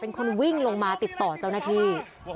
เป็นคนวิ่งลงมาติดต่อเจ้าหน้าที่